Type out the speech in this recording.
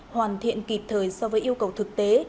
hoàn thiện kịp thời so với yêu cầu thực tế